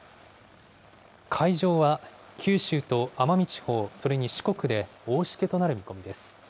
海上は九州と奄美地方、それに四国で大しけとなる見込みです。